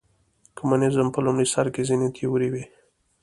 کمونیزم په لومړي سر کې ځینې تیورۍ وې.